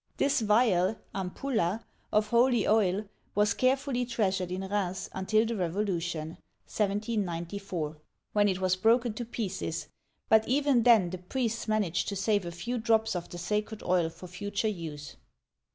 This vial (ampulla) of holy oil was carefully treasured in Rheims until the Revolution (1794), when it uigiTizea oy ^^nviOQlC 52 OLD FRANCE was broken to pieces, but even then the priests man aged to save a few drops of the sacred oil for future use.